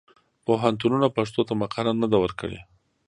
پوهنتونونه پښتو ته مقاله نه ده ورکړې.